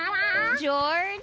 ジョージ。